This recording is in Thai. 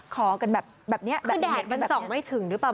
ขอกันแบบนี้คือแดดมันส่องไม่ถึงด้วยเปล่า